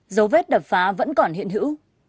giấu vết đập phá vẫn còn hiện hữu